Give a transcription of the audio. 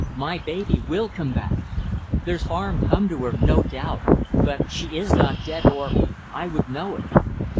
My baby will come back. There's harm come to her no doubt; but she is not dead or I would know it."